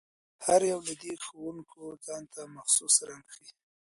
هر یو له دې ښودونکو ځانته مخصوص رنګ ښيي.